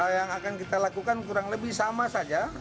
yang akan kita lakukan kurang lebih sama saja